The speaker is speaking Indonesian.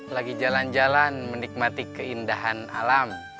lagi jalan jalan menikmati keindahan alam